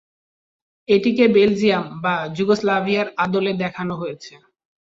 এটিকে বেলজিয়াম বা যুগোস্লাভিয়ার আদলে দেখানো হয়েছে।